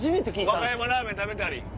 和歌山ラーメン食べたり。